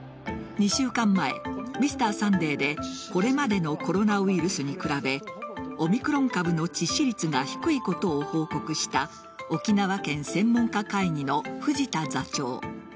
１週間前「Ｍｒ．サンデー」でこれまでのコロナウイルスに比べオミクロン株の致死率が低いことを報告した沖縄県専門家会議の藤田座長。